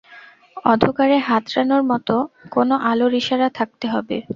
অধকারে হাতড়ানোর মতো কোনো আলোর ইশারা থাকতে হবে।